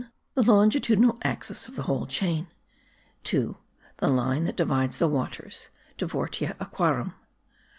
The longitudinal axis of the whole chain. 2. The line that divides the waters (divortia aquarum).